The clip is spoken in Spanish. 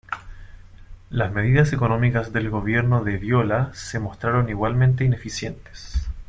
Las medidas económicas del gobierno de Viola se mostraron igualmente ineficientes.